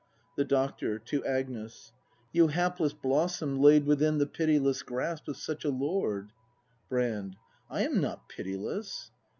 The Doctor. [To Agnes.] You hapless blossom, laid within The pitiless grasp of such a lord! Brand. I am not pitiless.